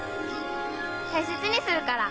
大切にするから。